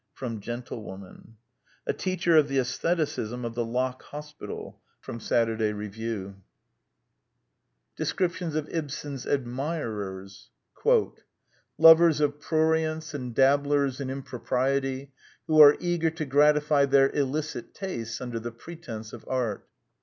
Gentlewoman. " A teacher of the asstheticism of the Lock Hospital." Saturday Review. 102 The Quintessence of Ibsenism Descriptions of Ibsen's Admirers *' Lovers of prurience and dabblers in impro priety who are eager to gratify their illicit tastes under the pretence of art.